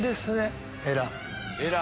えら。